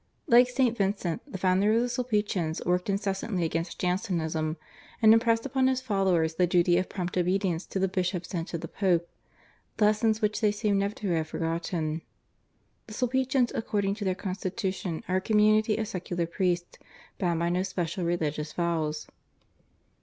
Like St. Vincent, the founder of the Sulpicians worked incessantly against Jansenism, and impressed upon his followers the duty of prompt obedience to the bishops and to the Pope, lessons which they seem never to have forgotten. The Sulpicians according to their constitution are a community of secular priests bound by no special religious vows.